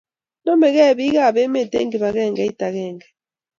Nomekei bik ab emet eng kibangengeit agenge